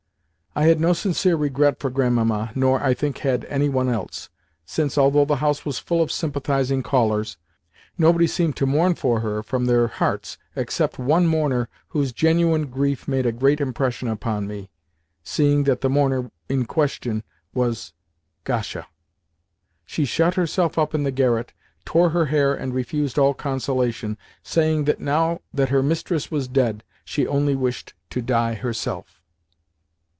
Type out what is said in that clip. I had no sincere regret for Grandmamma, nor, I think, had any one else, since, although the house was full of sympathising callers, nobody seemed to mourn for her from their hearts except one mourner whose genuine grief made a great impression upon me, seeing that the mourner in question was—Gasha! She shut herself up in the garret, tore her hair and refused all consolation, saying that, now that her mistress was dead, she only wished to die herself.